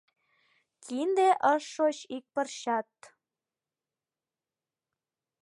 Кинде ыш шоч ик пырчат